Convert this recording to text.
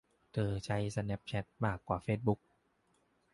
เธอใช้สแนปแชทมากกว่าเฟสบุ๊ค